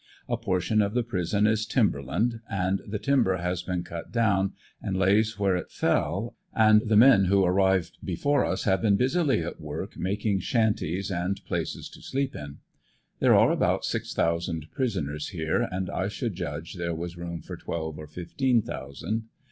A portion of the prison is timber land, and the timber has been cut down and lays where it fell, and the men who arrived before us have been busily at work making shanties and 110 ANDEB80NVILLE DIARY, places to sleep in. There are about six thousand prisoners here, and I should judge there was room for twelve or fifteen thousand.